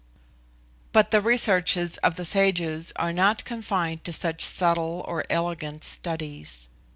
But the researches of the sages are not confined to such subtle or elegant studies.